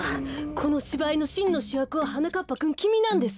このしばいのしんのしゅやくははなかっぱくんきみなんです。